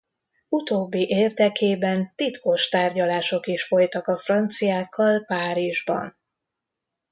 Utóbbi érdekében titkos tárgyalások is folytak a franciákkal Párizsban.